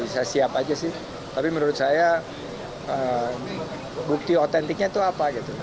saya siap aja sih tapi menurut saya bukti otentiknya itu apa gitu